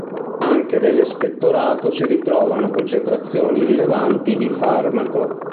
Anche nell'espettorato si ritrovano concentrazioni rilevanti di farmaco.